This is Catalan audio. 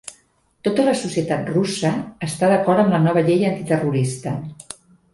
Tota la societat russa està d'acord amb la nova llei antiterrorista